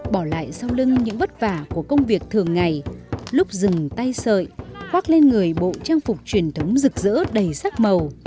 bỏ lại sau lưng những vất vả của công việc thường ngày lúc dừng tay sợi khoác lên người bộ trang phục truyền thống rực rỡ đầy sắc màu